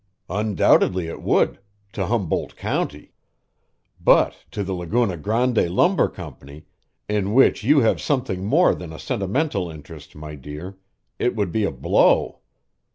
"Undoubtedly it would to Humboldt County; but to the Laguna Grande Lumber Company, in which you have something more than a sentimental interest, my dear, it would be a blow.